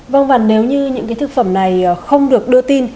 vâng và nếu như những cái thực phẩm này không được đưa tin